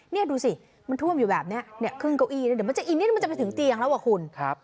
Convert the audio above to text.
นี่ดูสิมันท่วมอยู่แบบนี้ครึ่งเก้าอี้อีกนิดมันจะไปถึงเตียงแล้วคุณ